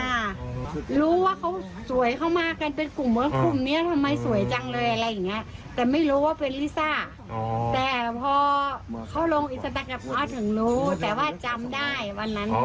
แต่ว่าจำได้วันนั้น